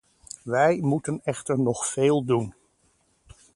Wij moeten echter nog veel doen.